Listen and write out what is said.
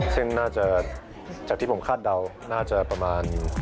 ซึ่งน่าจะจากที่ผมคาดเดาน่าจะประมาณ